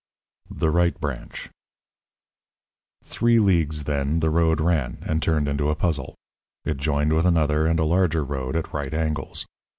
THE RIGHT BRANCH _Three leagues, then, the road ran, and turned into a puzzle. It joined with another and a larger road at right angles.